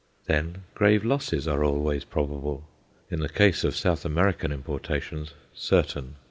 Then, grave losses are always probable in the case of South American importations, certain.